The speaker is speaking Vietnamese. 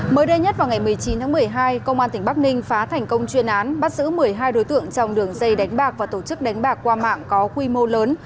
mới đây nhất vào ngày một mươi chín tháng một mươi hai công an tỉnh bắc ninh phá thành công chuyên án bắt giữ một mươi hai đối tượng trong đường dây đánh bạc và tổ chức đánh bạc qua mạng có quy mô lớn